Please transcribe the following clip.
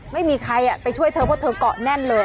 ไม่มีใครอะไปช่วยเธอก่อนแน่นเลย